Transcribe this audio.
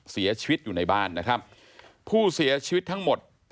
เสียชีวิตอยู่ในบ้านนะครับผู้เสียชีวิตทั้งหมด